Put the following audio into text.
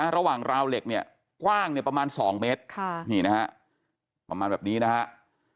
ระหว่างราวเหล็กกว้างประมาณ๒เมตรนี่นะครับประมาณแบบนี้นะครับ